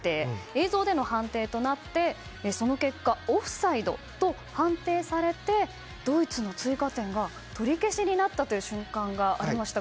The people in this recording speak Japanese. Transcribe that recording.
映像での判定となってその結果オフサイドと判定されてドイツの追加点が取り消しになった瞬間がありました。